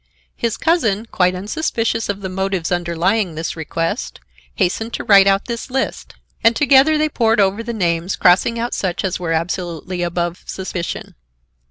His cousin, quite unsuspicious of the motives underlying this request, hastened to write out this list, and together they pored over the names, crossing out such as were absolutely above suspicion.